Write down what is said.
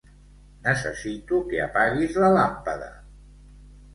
Necessito que apaguis la làmpada.